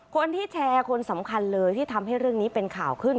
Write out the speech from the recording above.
คนที่แชร์คนสำคัญเลยที่ทำให้เรื่องนี้เป็นข่าวขึ้น